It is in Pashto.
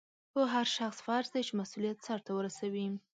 په هر شخص فرض دی چې مسؤلیت سرته ورسوي.